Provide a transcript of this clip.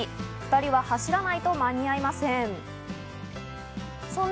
２人は走らないと間に合いません。